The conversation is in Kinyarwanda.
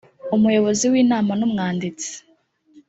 umuyobozi w ‘inama n ‘umwanditsi .